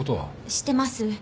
知ってます。